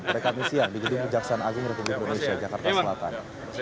mereka misi yang diketu ke jaksaan agung republik indonesia jakarta selatan